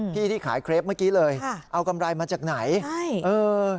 ที่ขายเครปเมื่อกี้เลยค่ะเอากำไรมาจากไหนใช่เออ